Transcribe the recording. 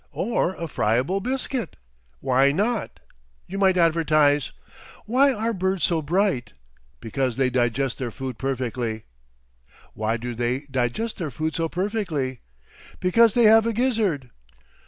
"Or a friable biscuit. Why not? You might advertise: 'Why are Birds so Bright? Because they digest their food perfectly! Why do they digest their food so perfectly? Because they have a gizzard!